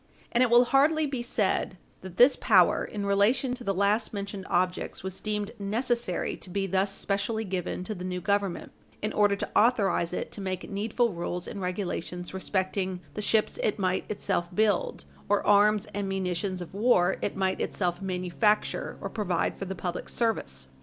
And it will hardly be said that this power, in relation to the last mentioned objects, was deemed necessary to be thus specially given to the new Government in order to authorize it to make needful rules and regulations respecting the ships it might itself build, or arms and munitions of war it might itself manufacture or provide for the public service.